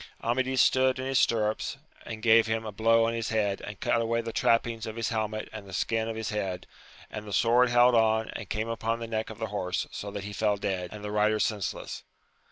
Amadis stood in his stirrups, and gave him a blow on his head, and cut ' away the trappings of his hehnet and the skin of his head, and the sword held on and came upon the neck of the horse, so that he fell dead, and the rider sense less.